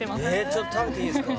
ちょっと食べていいですか？